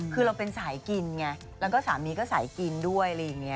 คือเราเป็นสายกินไงแล้วก็สามีก็สายกินด้วยอะไรอย่างนี้